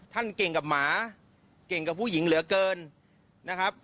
เก่งกับหมาเก่งกับผู้หญิงเหลือเกินนะครับ